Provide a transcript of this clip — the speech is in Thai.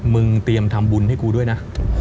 มึงเตรียมทำบุญให้กูด้วยนะ